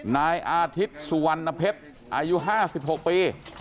นายอาทิตย์สุวรรณเพชรอายุ๕๖ปี